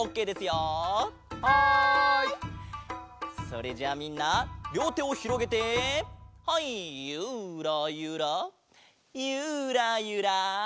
それじゃあみんなりょうてをひろげてはいユラユラユラユラ。